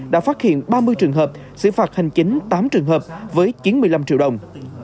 đã phát hiện ba mươi trường hợp xử phạt hành chính tám trường hợp với chín mươi năm triệu đồng